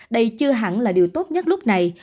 đây chưa hẳn là điều tốt nhất lúc này